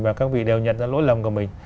và các vị đều nhận ra lỗi lầm của mình